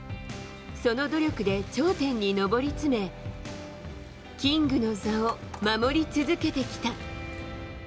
その努力で頂点に上り詰めキングの座を守り続けてきた。